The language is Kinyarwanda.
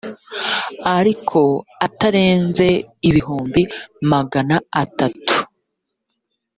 ariko atarenze ibihumbi magana atatu